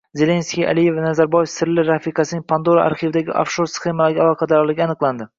Zelenskiy, Aliyev va Nazarboyevning sirli rafiqasining Pandora arxividagi ofshor sxemalarga aloqadorligi aniqlandi